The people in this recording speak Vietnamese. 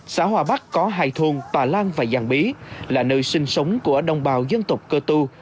xã hòa bắc có hai thôn tà lan và giàn bí là nơi sinh sống của đồng bào dân tộc cơ tu